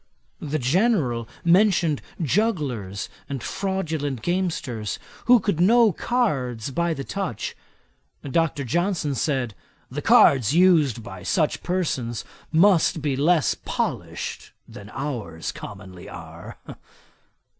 The General mentioned jugglers and fraudulent gamesters, who could know cards by the touch. Dr. Johnson said, 'the cards used by such persons must be less polished than ours commonly are.'